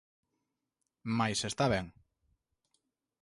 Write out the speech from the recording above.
Mais está ben.